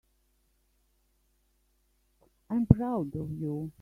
I'm proud of you.